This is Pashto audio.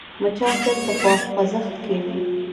مچان تل په خوځښت کې وي